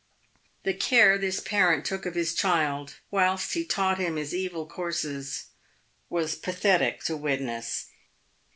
The care this parent took of his child, whilst he taught him his evil courses, was pathetic to witness.